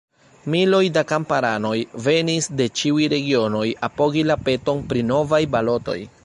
Miloj da kamparanoj venis de ĉiuj regionoj apogi la peton pri novaj balotoj.